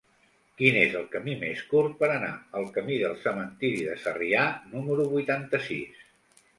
Quin és el camí més curt per anar al camí del Cementiri de Sarrià número vuitanta-sis?